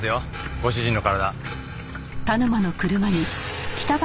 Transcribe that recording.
ご主人の体。